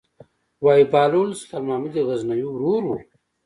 وايي بهلول د سلطان محمود غزنوي ورور و.